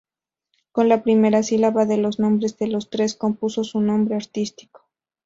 Con la primera sílaba de los nombres de los tres compuso su nombre artístico.